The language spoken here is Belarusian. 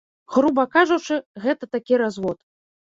Груба кажучы, гэта такі развод.